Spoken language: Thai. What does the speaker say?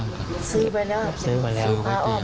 คนที่หาเนี่ย